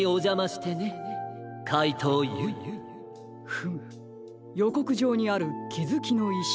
フムよこくじょうにある「きづきのいし」とは？